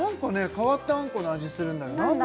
変わったあんこの味するんだけど何なんだ？